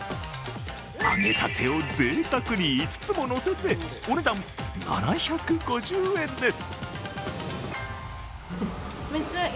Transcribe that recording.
揚げたてをぜいたくに５つものせてお値段７５０円です。